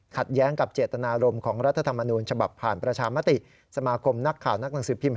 แย้งกับเจตนารมณ์ของรัฐธรรมนูญฉบับผ่านประชามติสมาคมนักข่าวนักหนังสือพิมพ